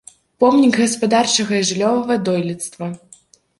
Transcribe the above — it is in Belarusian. Помнік гаспадарчага і жыллёвага дойлідства.